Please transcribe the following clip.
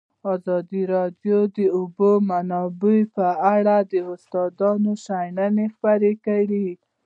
ازادي راډیو د د اوبو منابع په اړه د استادانو شننې خپرې کړي.